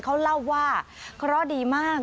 เขาเล่าว่าเขารอดีมาก